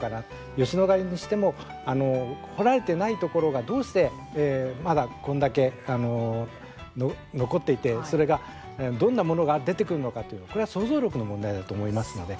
吉野ヶ里にしても掘られてないところが、どうしてまだこんだけ残っていて、それがどんなものが出てくるのかというこれは想像力の問題だと思いますので。